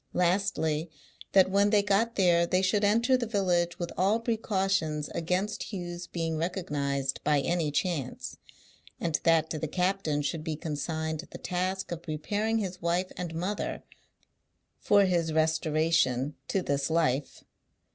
Lastly, that when they got there they should enter the village with all precautions against Hugh's being recognised by any chance; and that to the captain should be consigned the task of preparing his wife and mother for his restoration to this life.